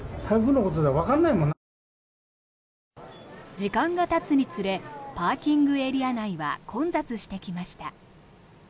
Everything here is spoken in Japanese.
時間がたつにつれパーキングエリア内は混雑してきました。